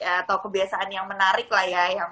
atau kebiasaan yang menarik lah ya